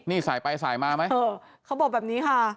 นี่สายไปสายมาไหมเออเขาบอกแบบนี้ค่ะ